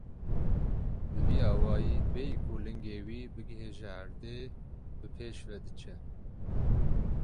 Bi vî awayî bêyî ku lingê wî bigihîje erdê, bi pêş ve diçe.